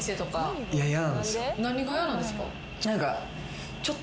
何が嫌なんですか？